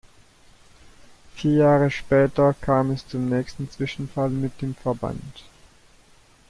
Vier Jahre später kam es zum nächsten Zwischenfall mit dem Verband.